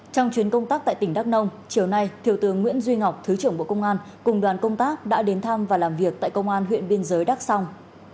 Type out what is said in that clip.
trong chuyến công tác tại tỉnh đắk nông chiều nay thiếu tướng nguyễn duy ngọc thứ trưởng bộ công an cùng đoàn công tác đã đến thăm và làm việc tại công an huyện biên giới đắk song